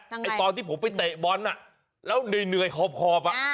ตอนที่ผมไปเตะบอลน่ะแล้วเหนื่อยคอบอ่ะ